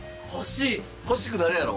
欲しくなるやろ？